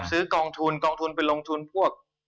ซึ่งกองทุนเป็นลงทุนพวก